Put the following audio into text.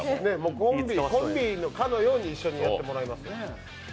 コンビかのように一緒にやってもらいます。